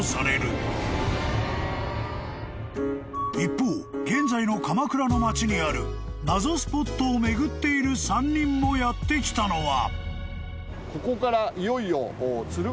［一方現在の鎌倉の街にある謎スポットを巡っている３人もやって来たのは］